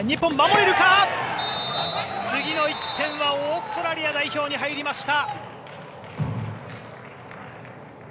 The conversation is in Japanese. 次の１点はオーストラリア代表に入りました。